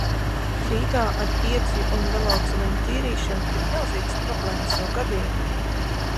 Rīgā ar ietvju un veloceliņu tīrīšanu ir milzīgas problēmas jau gadiem.